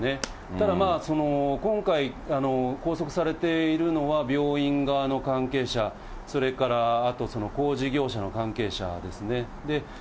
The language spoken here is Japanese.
ただまあ、今回拘束されているのは病院側の関係者、それからあと工事業者の関係者ですね。